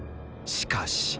［しかし］